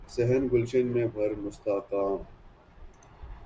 صحن گلشن میں بہر مشتاقاں